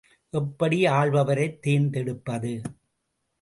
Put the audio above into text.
எப்படி ஆள்பவரைத் தேர்ந்தெடுப்பது?